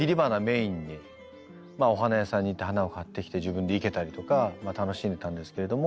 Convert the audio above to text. お花屋さんに行って花を買ってきて自分で生けたりとか楽しんでたんですけれども。